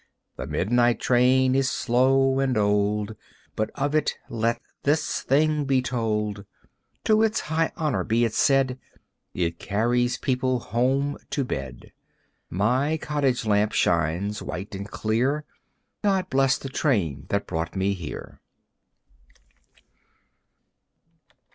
The midnight train is slow and old But of it let this thing be told, To its high honor be it said It carries people home to bed. My cottage lamp shines white and clear. God bless the train that brought me here.